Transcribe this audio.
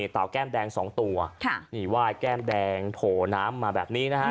เตาแก้มแดง๒ตัวว่าแก้มแดงโถน้ำมาแบบนี้นะคะ